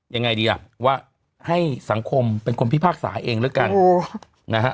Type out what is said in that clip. ยังไงดีล่ะว่าให้สังคมเป็นคนพิพากษาเองแล้วกันนะฮะ